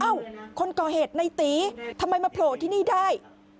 คนก่อเหตุในตีทำไมมาโผล่ที่นี่ได้